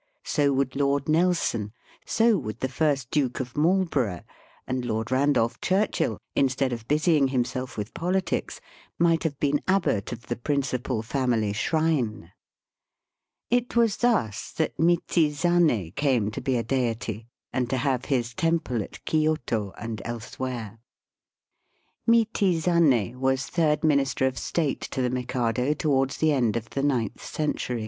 So would Lord Nelson; so would the first Duke of Marlborough ; and Lord Kandolph Churchill, instead of busying himself with politics, might have been abbot of the principal family shrine. It was thus that Michizane came to be a deity, and to have his temple at Kioto and elsewhere. Michizane was third Minister of State to the Mikado towards the end of the ninth century.